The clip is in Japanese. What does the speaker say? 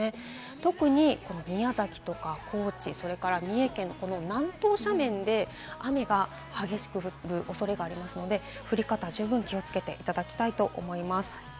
特に宮崎とか高知、それから三重県の南東斜面で雨が激しく降るおそれがありますので、降り方に十分気をつけていただきたいと思います。